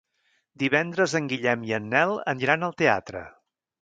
Divendres en Guillem i en Nel aniran al teatre.